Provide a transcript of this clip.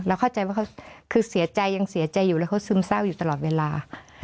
เข้าใจว่าเขาคือเสียใจยังเสียใจอยู่แล้วเขาซึมเศร้าอยู่ตลอดเวลา